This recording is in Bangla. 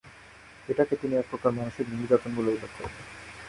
এটাকে তিনি এক প্রকার মানসিক নির্যাতন বলে উল্লেখ করেন।